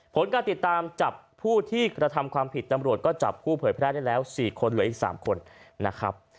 ผลการติดตามจับผู้ที่กระทำความผิดตำรวจก็จับผู้เผยแพร่ได้แล้ว๔คนเหลืออีก๓คนนะครับ